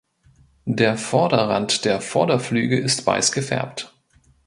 Der Vorderrand der Vorderflügel ist weiß gefärbt.